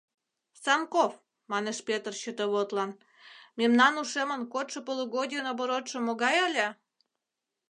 — Санков, — манеш Пӧтыр счетоводлан, — мемнан ушемын кодшо полугодийын оборотшо могай ыле?